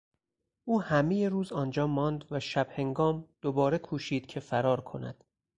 او همهی روز آنجا ماند و شب هنگام دوباره کوشید که فرار کند.